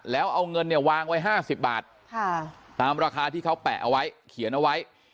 แล้วเอาเงินเนี่ยวางไว้๕๐บาทตามราคาที่เขาแปะเอาไว้เขียนเอาไว้